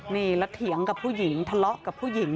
นี่แล้วเถียงกับผู้หญิงทะเลาะกับผู้หญิง